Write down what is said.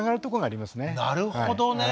なるほどね。